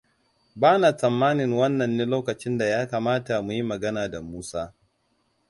Bana tsammanin wannan ne lokacin da ya kamata mu yi magana da Musa.